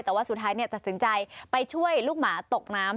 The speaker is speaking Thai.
แต่ว่าสุดท้ายตัดสินใจไปช่วยลูกหมาตกน้ำ